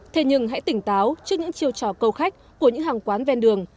thế nhưng hãy tỉnh táo trước những chiêu trò câu khách của những hàng quán ven đường